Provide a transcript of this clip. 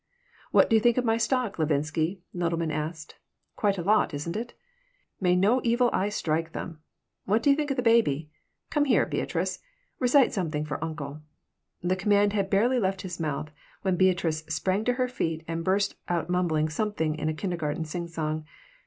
"What do you think of my stock, Levinsky?" Nodelman asked. "Quite a lot, isn't it? May no evil eye strike them. What do you think of the baby? Come here, Beatrice! Recite something for uncle!" The command had barely left his mouth when Beatrice sprang to her feet and burst out mumbling something in a kindergarten singsong.